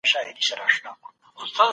د سولي لار تل پر جګړي باندې بریا لري.